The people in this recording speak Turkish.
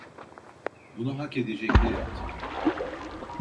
Bunu hak edecek ne yaptım?